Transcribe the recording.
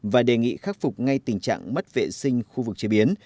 và đề nghị khắc phục ngay tình trạng mất vệ sinh khu vực chế biến